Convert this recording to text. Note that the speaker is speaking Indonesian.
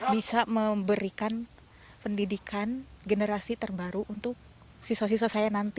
bisa memberikan pendidikan generasi terbaru untuk siswa siswa saya nanti